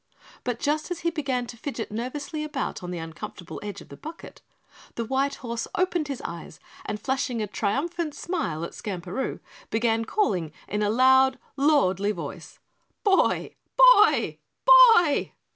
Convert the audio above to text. But just as he began to fidget nervously about on the uncomfortable edge of the bucket, the white horse opened his eyes and flashing a triumphant smile at Skamperoo, began calling in a loud, lordly voice. "Boy! BOY! BOY!"